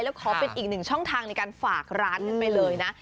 แล้วขอเป็นอีกหนึ่งช่องทางในการฝากร้านกันไปเลยนะ